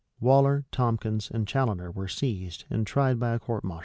Waller, Tomkins, and Chaloner were seized, and tried by a court martial.